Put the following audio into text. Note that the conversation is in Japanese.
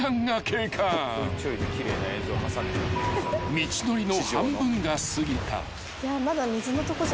［道のりの半分が過ぎた］